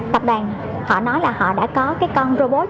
tập đoàn họ nói là họ đã có cái con robot